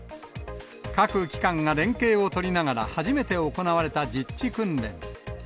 各機関が連携を取りながら初めて行われた実地訓練。